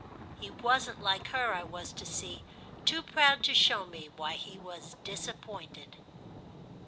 He wasn't, like her, I was to see, too proud to show me why he was disappointed.